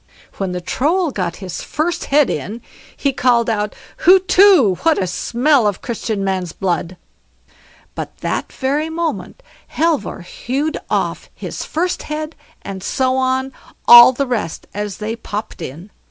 When the Troll got his first head in he called out "HUTETU, what a smell of Christian man's blood!" But that very moment Halvor hewed off his first head, and so on, all the rest as they popped in.